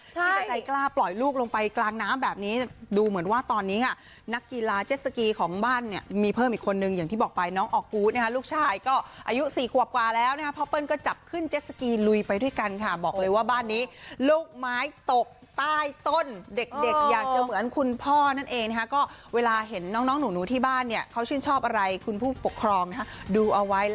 พี่ก็ใจกล้าปล่อยลูกลงไปกลางน้ำแบบนี้ดูเหมือนว่าตอนนี้นักกีฬาเจสสกีของบ้านเนี่ยมีเพิ่มอีกคนนึงอย่างที่บอกไปน้องออกกู๊ดลูกชายก็อายุ๔ขวบกว่าแล้วนะครับเพราะเปิ้ลก็จับขึ้นเจสสกีลุยไปด้วยกันค่ะบอกเลยว่าบ้านนี้ลูกไม้ตกใต้ต้นเด็กอยากจะเหมือนคุณพ่อนั่นเองก็เวลาเห็นน้องหนูที่